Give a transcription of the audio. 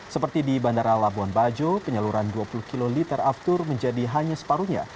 seperti di bandara labuan bajo penyaluran dua puluh kiloliter aftur menjadi hanya separuhnya